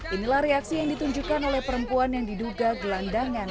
inilah reaksi yang ditunjukkan oleh perempuan yang diduga gelandangan